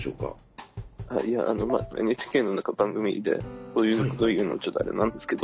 いやＮＨＫの何か番組でこういうことを言うのちょっとあれなんですけど。